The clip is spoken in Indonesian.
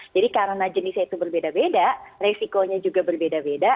jadi karena jenisnya itu berbeda beda resikonya juga berbeda beda